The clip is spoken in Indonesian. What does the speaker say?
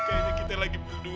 kayaknya kita lagi berdua